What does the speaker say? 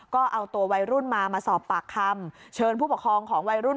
ก็เอาตัววัยรุ่นมามาสอบปากคำเชิญผู้ปกครองของวัยรุ่น